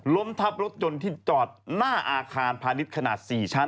ล้มทับรถยนต์ที่จอดหน้าอาคารพาณิชย์ขนาด๔ชั้น